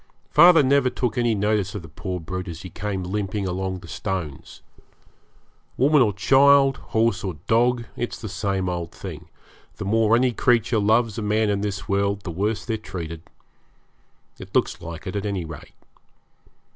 Father never took any notice of the poor brute as he came limping along the stones. Woman or child, horse or dog, it's the same old thing the more any creature loves a man in this world the worse they're treated. It looks like it, at any rate.